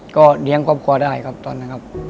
ก็เลี้ยงครอบครัวได้ครับตอนนั้นครับ